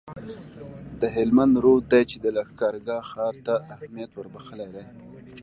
د هلمند رود دی چي د لښکرګاه ښار ته یې اهمیت وربخښلی دی